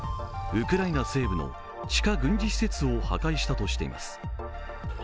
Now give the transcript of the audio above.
ウクライナ西部の地下軍事施設を破壊したとしています。